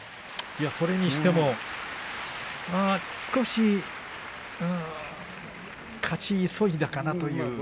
それにしても勝ち急いだかなという。